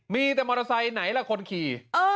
มีแต่มอเตอร์ไซค์ไหนล่ะคนขี่